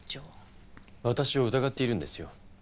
私を疑っているんですよ。